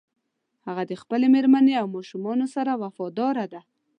هغه د خپلې مېرمنې او ماشومانو سره وفاداره ده